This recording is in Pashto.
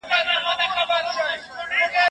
ښوونځي زدهکوونکي د ټکنالوژۍ کارولو ته چمتو کوي.